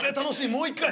もう一回？